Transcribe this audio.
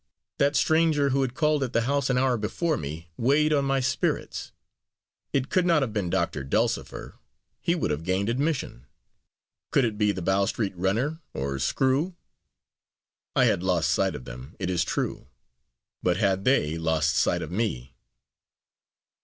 That stranger who had called at the house an hour before me, weighed on my spirits. It could not have been Doctor Dulcifer. He would have gained admission. Could it be the Bow Street runner, or Screw? I had lost sight of them, it is true; but had they lost sight of me?